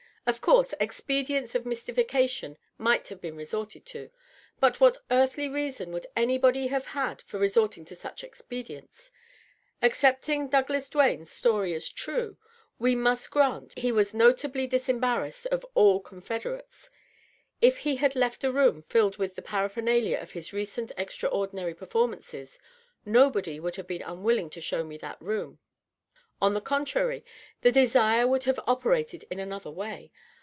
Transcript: Of course expedients of mystification might have been resorted to. But what earthly reason would anybody have had for resorting to such expedients? Accepting Douglas Duane's story as true, we must grant he was notably disembarrassed of all con federates. If he had left a room filled with the paraphernalia of his recent extraordinary performances, nobody would have been unwilling to show me that room. On the contrary, the desire would have operated in another way.